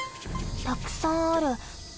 たくさんある。